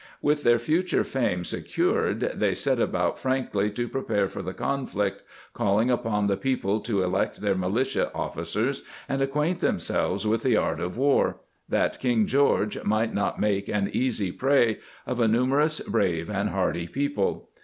^ With their future fame secured, they set about frankly to prepare for the conflict, call ing upon the people to elect their militia offi cers, and acquaint themselves with the art of war, that King George might not make an easy prey of " a numerous, brave, and hardy people."